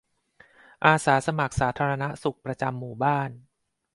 อาสาสมัครสาธารณสุขประจำหมู่บ้าน